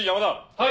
はい！